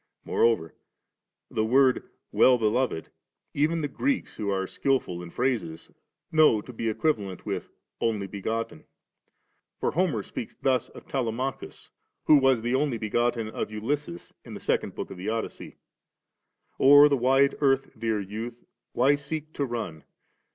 Moreover, the word * Well beloved ' even the Greeks who are skilful in phrases know to be equivalent with ' Only b^otten.' For Homer speaks thus of Telema chus, who was the only begotten of Ulysses, in the second book of the Odyssey : O'er the wide earth, dear youth, why seek to run.